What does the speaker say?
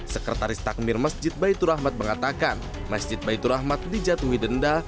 sekretaris takmir masjid baitur rahmat mengatakan masjid baitur rahmat dijatuhi denda